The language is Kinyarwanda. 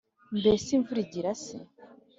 mbese imvura igira se’